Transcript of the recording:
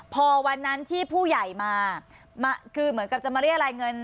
พอวันนั้นที่ผู้ใหญ่มาคือเหมือนกับจะมาเรียกรายเงิน